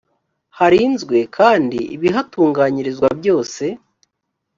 harinzwe kandi ibihatunganyirizwa byose